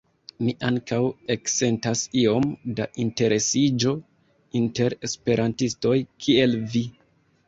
Mi ankaŭ eksentas iom da interesiĝo inter esperantistoj, kiel vi!